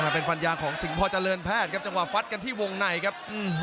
เป็นฟันยางของสิงหอเจริญแพทย์ครับจังหวะฟัดกันที่วงในครับ